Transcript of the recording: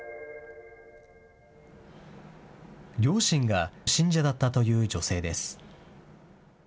両親が信者だったという女性です。